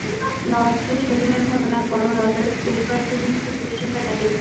লর্ডসে সেদিনের ঘটনার পরও রজার্স বেশ কয়েকটা দিন খুব দুশ্চিন্তায় কাটিয়েছেন।